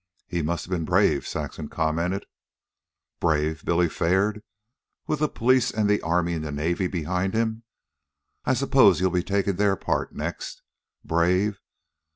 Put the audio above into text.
"He must have been brave," Saxon commented. "Brave?" Billy flared. "With the police, an' the army an' navy behind him? I suppose you'll be takin' their part next. Brave?